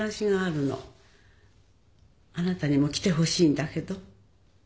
あなたにも来てほしいんだけど。